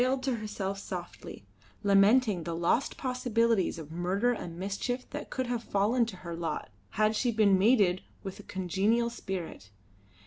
She wailed to herself softly, lamenting the lost possibilities of murder and mischief that could have fallen to her lot had she been mated with a congenial spirit.